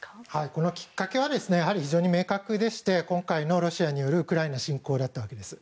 このきっかけは非常に明確でして今回のロシアによるウクライナ侵攻だった訳です。